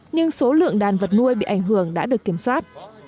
nhưng số lượng đàn vật nuôi bị ảnh hưởng đã được kiểm soát